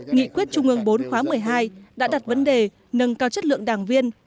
nghị quyết trung ương bốn khóa một mươi hai đã đặt vấn đề nâng cao chất lượng đảng viên